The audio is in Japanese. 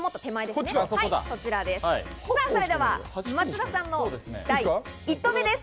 さぁ、それでは松田さんの第１投目です。